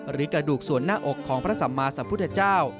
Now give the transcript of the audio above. กระดูกส่วนหน้าอกของพระสัมมาสัมพุทธเจ้า